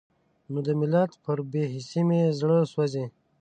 نو د ملت پر بې حسۍ مې زړه سوزي.